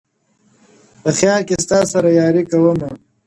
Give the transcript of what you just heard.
په خيال كي ستا سره ياري كومه.